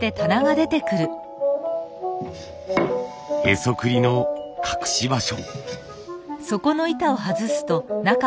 へそくりの隠し場所。